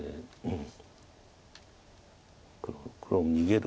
うん。